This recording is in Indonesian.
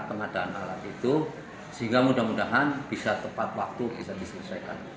pengadaan alat itu sehingga mudah mudahan bisa tepat waktu bisa diselesaikan